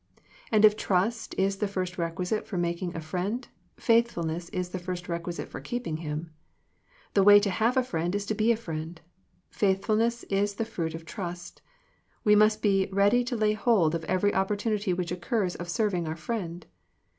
And if trust is the first requisite for making a friend, faithfulness is the first requisite for keeping him. The way to have a friend is to be a friend. Faithful ness is the fruit of trust. We riiust be ready to lay hold of every opportunity which occurs of serving our friend.